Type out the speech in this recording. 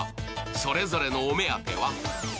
それぞれのお目当ては？